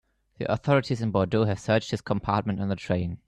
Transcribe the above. The authorities in Bordeaux have searched his compartment on the train.